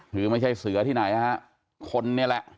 คือไม่ใช่เสือที่ไหนฮะคนนี่แหละ